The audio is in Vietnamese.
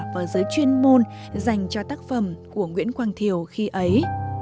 và giới chuyên môn dành cho tác phẩm của nguyễn quang thiều khi ấy